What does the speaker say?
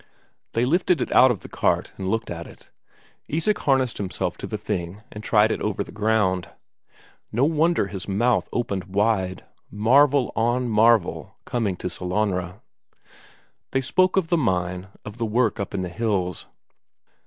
They lifted it out of the cart and looked at it; Isak harnessed himself to the thing and tried it over the ground. No wonder his mouth opened wide! Marvel on marvel coming to Sellanraa! They spoke of the mine, of the work up in the hills.